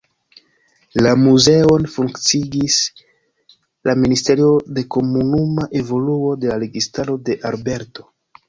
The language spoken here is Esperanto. La muzeon funkciigis la Ministerio de Komunuma Evoluo de la Registaro de Alberto.